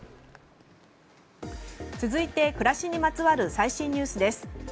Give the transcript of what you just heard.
続いて、暮らしにまつわる最新ニュースです。